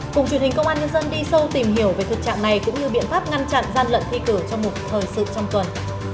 cùng truyền hình công an nhân dân đi sâu tìm hiểu về thực trạng này cũng như biện pháp ngăn chặn gian lận thi cử trong một thời sự trong tuần